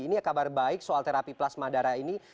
ini kabar baik soal terapi plasma darah ini